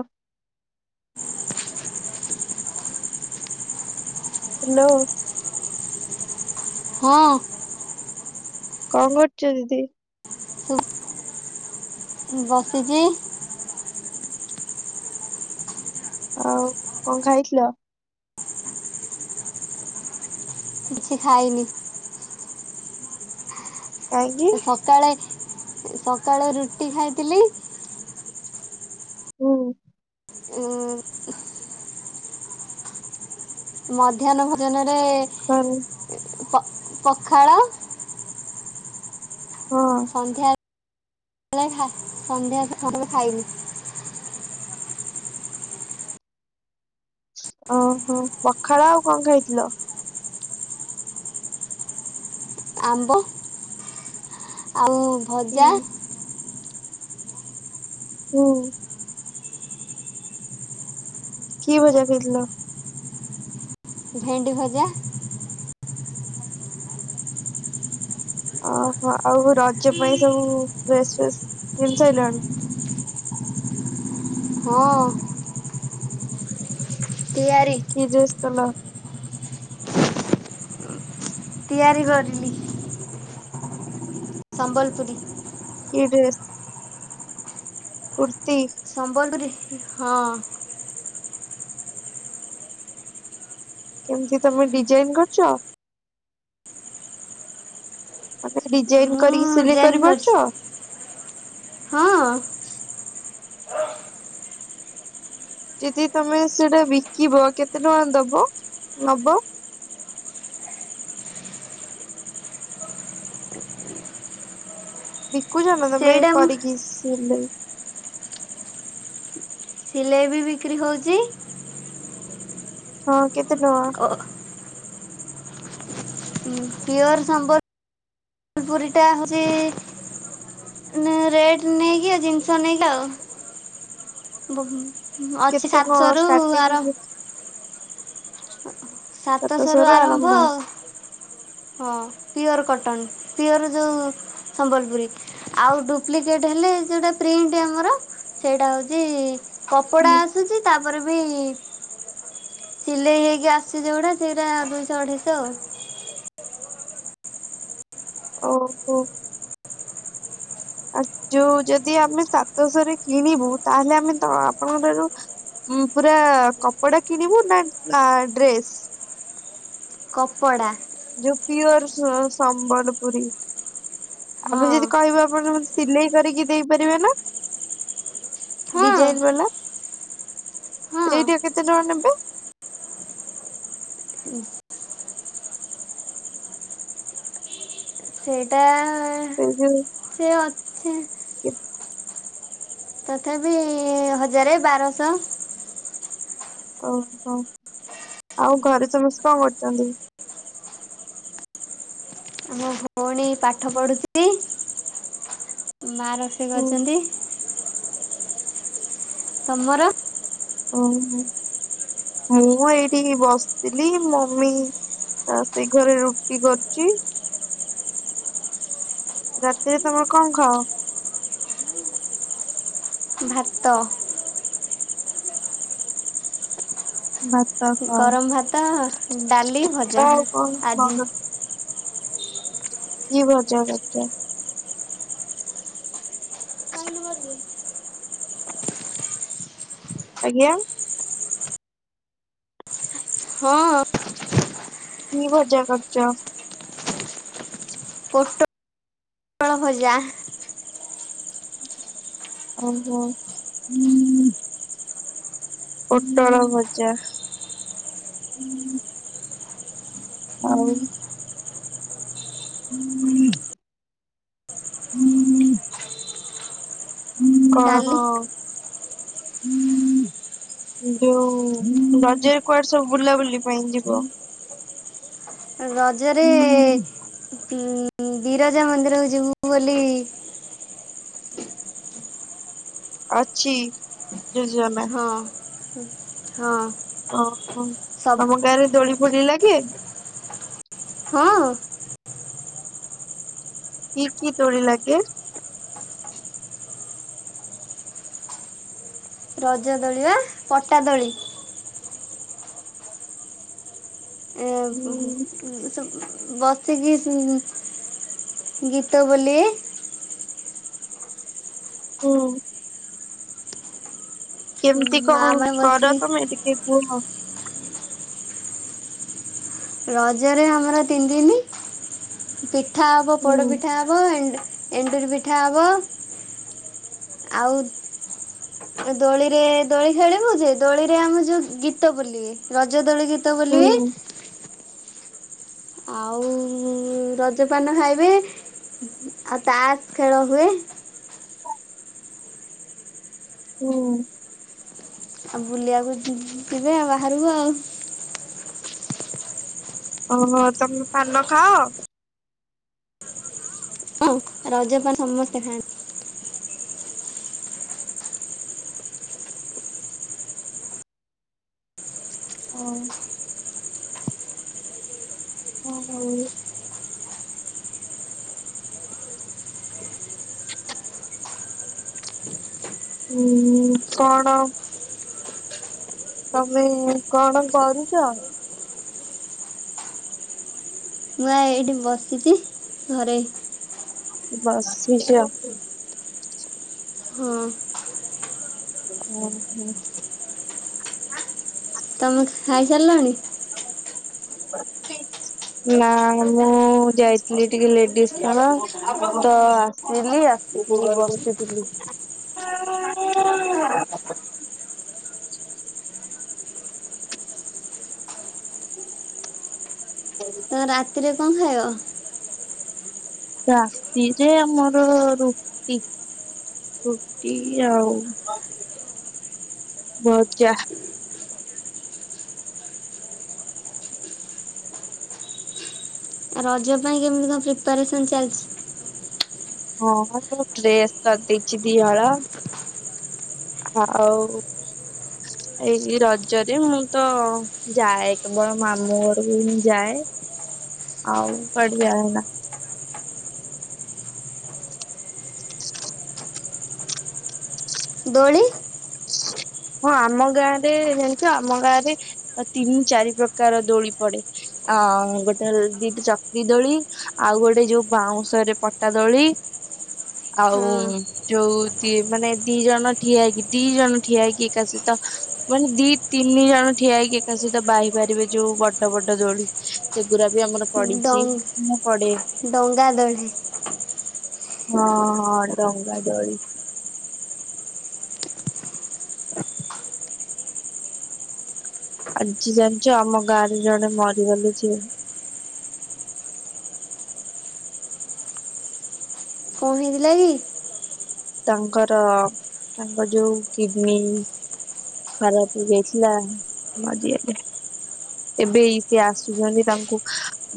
ଅ ହେଲୋ। ହଁ। କଁ କରୁଚ ଦିଦି? ତୁ ବସିଚି। ଆଉ କଁ ଖାଇଥିଲ? କିଛି ଖାଇନି। କାହିଁକି ଏ ସକାଳେ ସକାଳେ ରୁଟି ଖାଇଥିଲି। ହୁଁ। ଉଁ ମଧ୍ୟାହ୍ନ ଭୋଜନରେ କରି ଏଁ ପ ପଖାଳ ହଁ ସନ୍ଧ୍ୟା ଳେ ହା ସନ୍ଧ୍ୟା ସେପଟୁକୁ ଖାଇନି। ଓହୋ ପଖାଳ ଆଉ କଁ ଖାଇଥିଲ? ଆମ୍ବ ଆଉ ହୁଁ ଭଜା। ହୁଁ। କି ଭଜା ଖାଇଥିଲ? ଭେଣ୍ଡି ଭଜା। ଓହୋ ଆଉ ରଜ ପାଇଁ ସବୁ ଡ୍ରେସ ଫ୍ରେସ୍ କିଣି ସାଇଲନି। ହଁ। ତିଆରିି। କି ଡ୍ରେସ୍ କଲ? ତିଆରି କରିଲି। ସମ୍ବଲପୁରୀ। କି ଡ୍ରେସ? କୁର୍ତି। ସମ୍ବଲପୁରି ହଁ। କେମିତି ତମେ ଡିଜାଇନ କରୁଛ। ତମେ ଡିଜାଇନ ମୁଁ କରିକି ସିଲେଇ ଡିଜାଇନ୍ କରିଛି କରିପାରୁଛ। ହଁ। ଯଦି ତମେ ସେଟା ବିକିବ କେତେ ଟଙ୍କା ଦବ ନବ। [unintelligible] ବିକୁଛନା ତମେ ସେଇଟା ମୁଁ କରିକି ସିଲେଇ। ସିଲେଇ ବି ବିକ୍ରି ହଉଛି। ହଁ କେତେ ଟଙ୍କା? ଓ। ପିଓର ସମ୍ବଲପୁରୀଟା ହଉଛି ନାଇଁ ରେଟ ନେଇକି ଆଉ ଜିନିଷ ନେଇକି ଆଉ ବ ଅଛି କେତେ କଣ ସାତଶହରୁୁ ଷ୍ଟାର୍ଟିଂ ଆର ସାତଶହ ସାତଶହରୁ ରୁ ଆରମ୍ଭ ଆଉ। ହଁ ପିଓର କଟନ ପିଓର ଯୋଉ ସମ୍ବଲପୁରୀ। ଆଉ ଡୁପ୍ଲିକେଟ ହେଲେ ଯୋଉଟା ପ୍ରିଣ୍ଟ ଆମର। ସେଇଟା ହଉଛି କପଡା ହୁଁ। ଆସୁଛି ତାପରେ ବି ସିଲେଇ ହେଇକି ଆସୁଛି ଯେଉୁଡ଼ା ସେଇରା ଦୁଇଶହ ଅଢେଇଶହ ଆଉ। ଓହୋ। ଆ ଯୋଉ ଯଦି ଆମେ ସାତଶହ ରେ କିଣିବୁ ତାହେଲେ ଆମେ ତ ଆପଣଙ୍କଠାରୁ ପୁରା କପଡା କିଣିବୁ ନା ଡ୍ରେସ୍। କପଡ଼ା। ଯୋଉ ପିଓର ସମ୍ ସମ୍ବଲପୁରୀ ଆମେ ହଁ ଯଦି କହିବେ ଆପଣ ସିଲେଇ କରିକି ଦେଇପାରିବେ ନା। ହଁ ଡିଜାଇନ ବାଲା ହଁ ସେଇଟା କେତେ ଟଙ୍କା ନେବେ? ସେଇଟା ସେଇ ଯୋଉ ସେ ଅଛି ତଥାପି ହଜାରେ ବାରଶହ। ଓହୋ ଆଉ ଘରେ ସମସ୍ତେ କଣ କରୁଛନ୍ତି? ଭଉଣି ପାଠ ପଢ଼ୁଛି ମା ରୋଷେଇ ହୁଁ କରୁଛନ୍ତି। ତମର। ଓହୋ ମୁଁ ଏଇଠି ବସିଥିଲି ମମି ଆ ସେଘରେ ରୁଟି କରୁଛି। ରାତିରେ ତମର କଁ ଖାଅ? ଭାତ। ଭାତ୍। ଗରମ ଭାତ ଡାଲି ଭଜା ତ ଆଉ କଣ ଆଜି। ଭଲ କି ଭଜା କରିଚ? ହ [inaudible] ଆଜ୍ଞା। ହଁ। କି ଭଜା କରିଚ? ପୋଟ ପୋଟଳ ଭଜା। ଉଁ ହୁଁ। ପୋଟଳ ଭଜା। ଆଉ? ହୁଁ ହୁଁ ଅଁ ହଁ। କାଲି ଯୋଉ ରଜରେ କୁଆଡେ ସବୁ ବୁଲାବୁଲି ପାଇଁ ଯିବ? ରଜରେ ଉଁ ବିରଜା ମନ୍ଦିରକୁ ଯିବୁ ବୋଲି ଅଛିି ଯୋଜନା। ହଁ ହଁ। ଓହୋ। ସବୁ ତମ ଗାଁ ରେ ଦୋଳି ଫୋଳି ଲାଗେ? ହଁ। କି କି ଦୋଳି ଲାଗେ? ରଜ ଦୋଳିି ବା, ପଟା ଦୋଳି। ଏଁ ହୁ। ହୁଁ ଏମିତି ସବୁ ବସିକି ଗୀତ ବୋଲିବେ। ହୁଁ। କେମିତି କଁ ମା ମାନେ ବସି କର ତମେ ଟିକେ କୁହ। ରଜରେ ଆମର ତିନି ଦିନି ପିଠା ହେବ ହୁଁ ପୋଡ଼ପିଠା ହେବ ଏଣ୍ଡୁର୍ ଏଣ୍ଡୁରି ପିଠା ହବ ଆଉ [inaudible] ଆଉ ଦୋଳିରେ ଦୋଳି ଖେଳିବୁ ଯେ ଦୋଳିରେ ଆମ ଯୋଉ ଗୀତ ବୋଲିବେ ରଜ ଦୋଳି ଗୀତ୍ ଗୀତ ହୁଁ ବୋଲିବେ। ଆଉ ରଜପାନ ଖାଇବେ ଆଉ ତାସ୍ ଖେଳ ହୁଏ। ହୁଁ। ଆଉ ବୁଲିଆକୁ ଯି ଯିବେ ଆଉ ବାହାରକୁ ଆଉ। ଓହୋ। ତମେ ପାନ ଖାଅ? ହଁ ରଜପାନ ସମସ୍ତେ ଖାଆନ୍ତି। ହଁ ହଉ। ହୁଁ ଉଁ କଣ? ତମେ କଣ କରୁଚ? ମୁଁ ଆ ଏଇଠି ବସିଚି ଘରେ। ବସିଚ? ହଁ। ଓହୋ। ତମେ ଖାଇ ସାରିଲଣି? [inaudible] ନା ମୁଁ ଯାଇଥିଲି ଟିକେ ଲେଡିଜ୍ କର୍ଣ୍ଣର, ତ ଆସିଲି ଆ [inaudible] [inaudible] ତମେ ରାତିରେ କଣ ଖାଇବ? ରାତିରେ ଆମର ରୁଟି। ରୁଟି ଆଉ ଭଜା। ରଜ ପାଇଁ କେମ୍ତି କଣ ପ୍ରିପାରେସନ୍ ଚାଲ୍ଚି? ହଁ ବା ମୁଁ ଡ୍ରେସ୍ କରିଦେଇଚି ଦି ହଳ। ଆଉ ଏଇ ରଜରେ ମୁଁ ତ ଯାଏ କେବଳ ମାମୁଁ ଘରକୁ ମୁଁ ଯାଏ, ଆଉ କାଡିଆ ନା ଦୋଳି ହଁ ଆମ ଗାଁରେ ଜଣିଚ ଆମ ଗାଁରେ ତିନି ଚାରି ପ୍ରକାର ଦୋଳି ପଡେ। ହଁ ଗୋଟେ ଦିଟି ଚକ୍ରି ଦୋଳି ଆଉ ଗୋଟେ ଯୋଉ ବାଉଁଶ ରେ ପଟା ଦୋଳି ଆଉ ହଁ ଯୋଉ ଦି ମାନେ ଦି ଜଣ ଠିଆ ହେଇକି ଦି ଜଣ ଠିଆ ହେଇକି [unintelligible] ମାନେ ଦି ତିନି ଜଣ ଠିଆ ହେଇକି ଏକା ସହିତ ବାହି ପାରିବେ ଯୋଉ ବଡ-ବଡ ଦୋଳି ସେଗୁରା ବି ଆମର ପଡିଚି, ଡଙ୍ଗ ମୁଁ ପଡ଼େ। ଡଙ୍ଗା ଦୋଳି ହଁ-ହଁ ଡଙ୍ଗା ଦୋଳି। ଆଜି ଜାଣିଚ ଆମ ଗାଁରେ ଜଣେ ମରିଗଲେ ଯେ। କଣ ହେଇଥିଲା କି? ତାଙ୍କର ତାଙ୍କ ଯୋଉ କିଡନୀ ଖରାପ୍ ହେଇଯାଇଥିଲା ମରିଗଲେ। ଏବେ ଏଇ ସିଏ ଆସୁଚନ୍ତି ତାଙ୍କୁ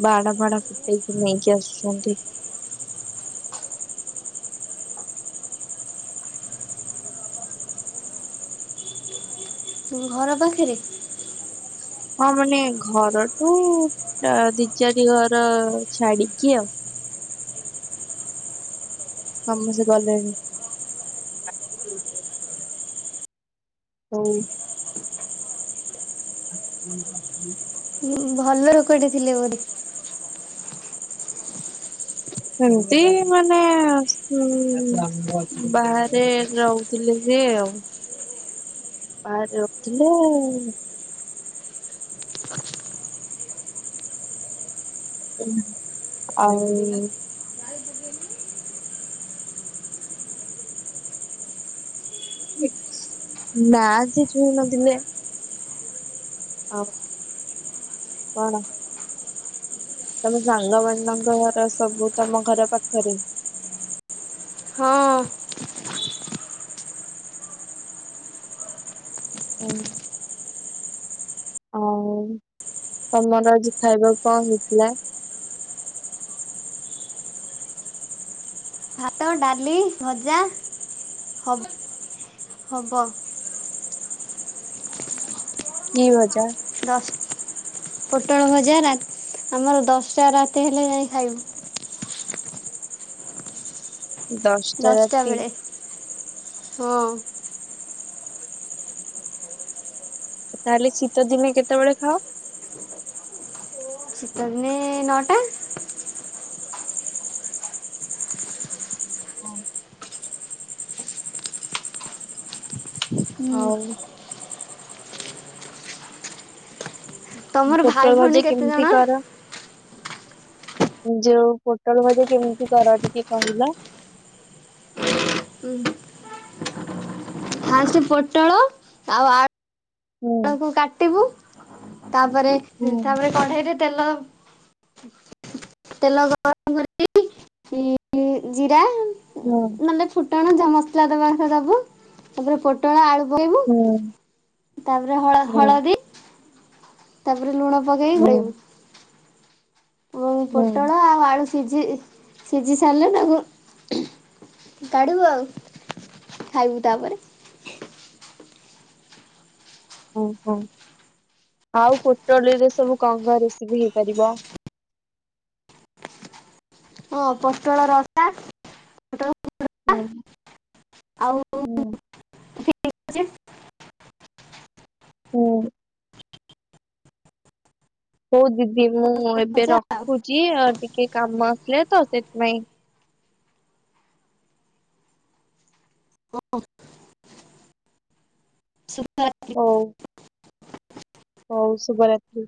ବାଣ ଫାଣ ଫୁଟେଇକି ନେଇକି ଆସୁଛନ୍ତି। ଘର ପାଖେରେ? ହଁ ମାନେ ଘରଠୁ ଦି ଚାରି ଘର ଛାଡିକି ଆଉ। ସମସ୍ତେ ଗଲେଣି। ହଉ। [inaudible] ଭଲ ଲୋକଟେ ଥିଲେ ବୋଧେ? ସେମ୍ତି ମାନେ ବାହାରେ ରହୁଥିଲେ ସିଏ ଆଉ। ବାହାରେ ରହୁଥିଲେ ଆଉ। ଆଉ ନା ଆଜି ଛୁଇଁ ନଥିଲେ। ହଁ କଣ? ତମ ସାଙ୍ଗମାନଙ୍କ ଘର ସବୁ ତମ ଘର ପାଖରେ? ହଁ। [unintelligible] ଆଉ ତମର ଆଜି ଖାଇବାକୁ କଣ ହେଇଥିଲା? ଭାତ, ଡାଲି, ଭଜା ହବ-ହବ। କି ଭଜା? ଦଶ ପୋଟଳ ଭଜା ରା ଆମର ଦଶଟା ରାତି ହେଲେ ଯାଇଁ ଖାଇବୁ। ଦଶଟା ବେଳେ ହଁ। ତାହେଲେ ଶୀତ ଦିନେ କେତେବେଳେ ଖାଅ? ଶୀତ ଦିନେ ନଅଟା। ହଁ। ହୁଁ ଆଉ [inaudible] ତମର ଭାଇ ପୋଟଳ ଭଉଣୀ ଭାଜ କେତେ ଜଣ? କେମିତି କର? ଯୋଉ ପୋଟଳ ଭଜା କେମିତି କର ଟିକେ କହିଲ? ହୁଁ। ଫାର୍ଷ୍ଟ ପୋଟଳ ଆଉ ହୁଁ ଆଳୁକୁ କାଟିବୁ ତାପରେ ହୁଁ ତାପରେ କଢେଇରେ ତେଲ ତେଲ ଗରମ କରି ଉଁ ଜିରା ହଁ। ନହେଲେ ଫୁଟଣ ଯା ମସଲା ଦବାକଥା ଦବୁ ତାପରେ ପୋଟଳ ଆଳୁ ପକେଇବୁ ତାପରେ ହଳ ହୁଁ ହଳଦୀ ତାପରେ ଲୁଣ ପକେଇକି ହୁଁ ହୁଁ ଖୋଳେଇବୁ ଏ ହୁଁ ପୋଟଳ ଆଉ ଆଳୁ ସିଝି ସିଝି ସାରିଲେ ତାକୁ କାଢିବୁ ଆଉ। ଖାଇବୁ ତାପରେ। ଓହୋ ଆଉ ପୋଟଳୀରେ ସବୁ କଣ କଣ ରେସିବିି ହେଇପାରିବ? ହଁ ପୋଟଳ ରସା ପୋଟଳ ହୁଁ ଆଉ ହୁଁ। ହୁଁ। ହଉ ଦିଦି ମୁଁ ଏବେ ଭଜା ରଖୁଚି ଆ ଟିକେ କାମ ଆସିଲାତ ସେଥିପାଇଁ। ହଁ। [unintelligible] ହଉ। ହଉ ଶୁଭରାତ୍ରି।